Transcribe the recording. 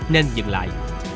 nên dừng lại